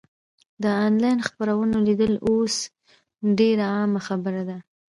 د انلاین خپرونو لیدل اوس ډېره عامه خبره ده.